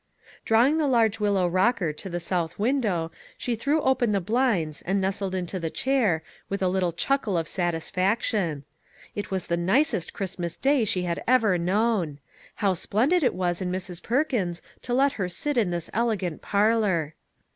Drawing the large willow rocker to the south window, she threw open the blinds, and nestled into the chair, with a little chuckle of satisfac tion. It was the nicest Christmas Day she had ever known. How splendid it was in Mrs. Perkins to let her sit in this elegant parlor.